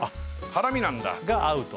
ハラミなんだが合うと？